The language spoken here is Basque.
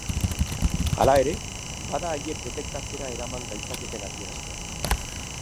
Hala ere, bada haiek detektatzera eraman gaitzaketen adierazleak.